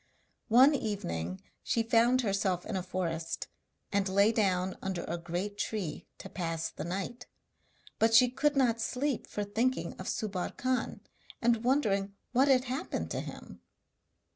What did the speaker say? One evening she found herself in a forest, and lay down under a great tree to pass the night. But she could not sleep for thinking of Subbar Khan, and wondering what had happened to him.